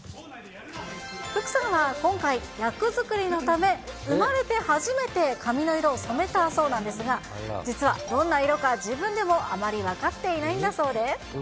福さんは今回、役作りのため、生まれて初めて髪の色を染めたそうなんですが、実はどんな色か自分でもあまり分かっていないんだそうです。